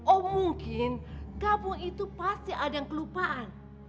oh mungkin kamu itu pasti ada yang kelupaan